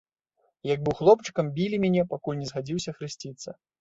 Як быў хлопчыкам, білі мяне, пакуль не згадзіўся хрысціцца.